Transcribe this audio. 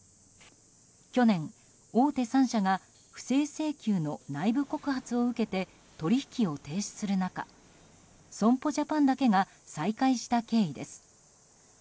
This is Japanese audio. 去年、大手３社が不正請求の内部告発を受けて取引を停止する中損保ジャパンだけが再開した経緯です。